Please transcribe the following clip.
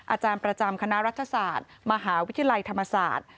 อาจารย์ประจำคณะรัฐศาสตร์มหาวิทยาลัยธรรมศาสตร์